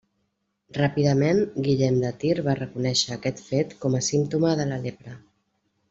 Ràpidament, Guillem de Tir va reconèixer aquest fet com a símptoma de la lepra.